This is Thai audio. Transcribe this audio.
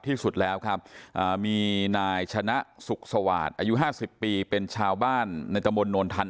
ที่สุดแล้วครับมีนายชนะสุขสวาสตร์อายุ๕๐ปีเป็นชาวบ้านในตะมนต์นวลทัน